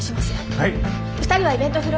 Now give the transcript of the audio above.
はい！